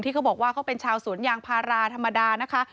ที่เขาบอกว่าเขาเป็นชาวศูนย์อย่างภาราธรรมดานะคะ